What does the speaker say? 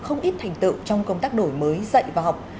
không ít thành tựu trong công tác đổi mới dạy và học